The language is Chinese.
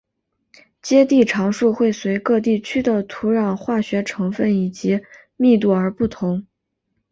接地常数会随各地区的土壤化学成份以及密度而不同。